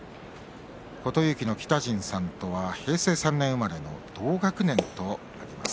琴勇輝の北陣さんとは平成３年生まれの同学年となります。